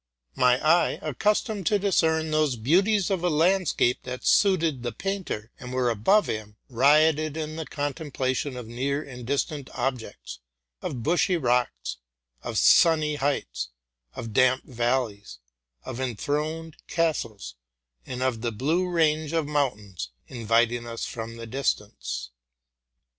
My eye, accus tomed to discern those beauties of a landscape that suited the painter, and were above him, rioted in the contemplation of near and distant objects, of bushy rocks, of sunny heights, of damp valleys, of enthroned castles, and of the blue range of mountains inviting us from the distance.